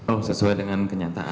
oh sesuai dengan kenyataan